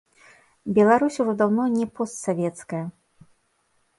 Беларусь ужо даўно не постсавецкая.